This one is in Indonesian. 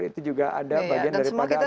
itu juga ada bagian daripada ada pasif